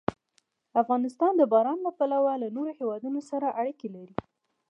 افغانستان د باران له پلوه له نورو هېوادونو سره اړیکې لري.